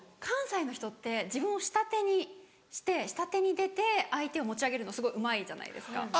関西の人って自分を下手にして下手に出て相手を持ち上げるのすごいうまいじゃないですか。